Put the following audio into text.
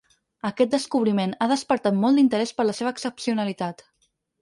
Aquest descobriment ha despertat molt d’interès per la seva excepcionalitat.